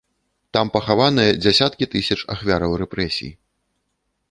Там пахаваныя дзясяткі тысяч ахвяраў рэпрэсій.